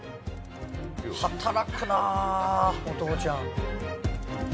働くなお父ちゃん。